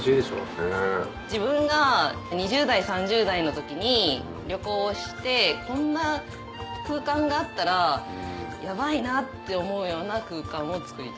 自分が２０代３０代の時に旅行してこんな空間があったらヤバいなって思うような空間をつくりたい。